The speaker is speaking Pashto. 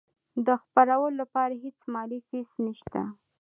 د خپرولو لپاره هیڅ مالي فیس نشته.